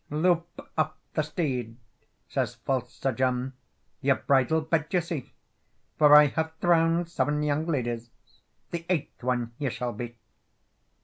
"Loup off the steed," says false Sir John, "Your bridal bed you see; For I have drowned seven young ladies, The eighth one you shall be.